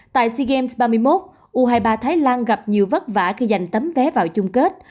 tại sea games ba mươi một u hai mươi ba thái lan gặp nhiều vất vả khi giành tấm vé vào chung kết